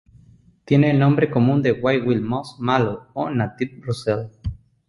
Tiene el nombre común de White Wild Musk Mallow o Native Rosella.